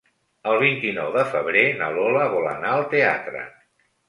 El vint-i-nou de febrer na Lola vol anar al teatre.